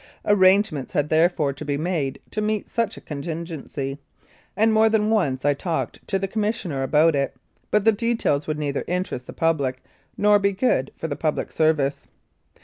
Arrangements had therefore to be made to meet such a contingency, and more than once I talked to the Commissioner about it, but the details would neither interest the public nor be good for the public service.